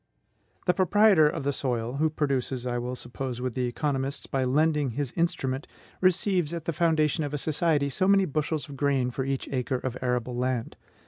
The proprietor of the soil, who produces, I will suppose with the economists, by lending his instrument, receives at the foundation of a society so many bushels of grain for each acre of arable land.